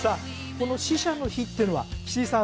この死者の日っていうのは岸井さん